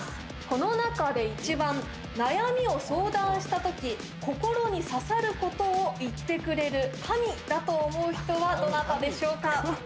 この中で１番悩みを相談した時心に刺さることを言ってくれる神だと思う人はどなたでしょうか？